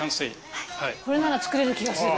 これなら作れる気がする。